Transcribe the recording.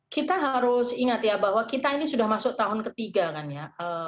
kita harus ingat ya bahwa kita ini sudah masuk tahun ketiga kan ya